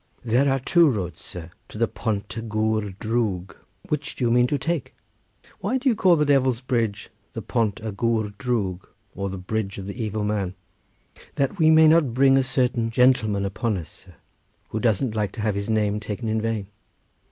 "There are two roads, sir, to the Pont y Gwr Drwg; which do you mean to take?" "Why do you call the Devil's Bridge the Pont y Gwr Drwg, or the bridge of the evil man?" "That we may not bring a certain gentleman upon us, sir, who doesn't like to have his name taken in vain."